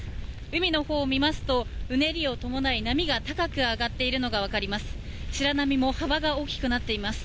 海のほうを見ますとうねりを伴い波が高く上がっているのが分かります。